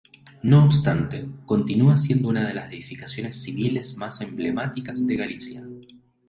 No obstante, continúa siendo una de las edificaciones civiles más emblemáticas de Galicia.